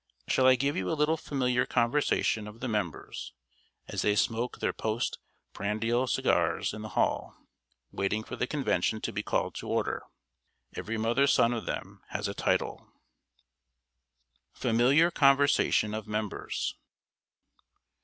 Shall I give you a little familiar conversation of the members, as they smoke their post prandial cigars in the hall, waiting for the Convention to be called to order? Every mother's son of them has a title. [Sidenote: FAMILIAR CONVERSATION OF MEMBERS.